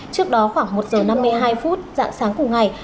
trước đó khoảng một giờ năm mươi hai phút dạng sáng cùng ngày